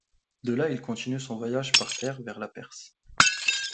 De là il continue son voyage par terre vers la Perse.